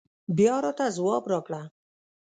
بيا راته ځواب راکړه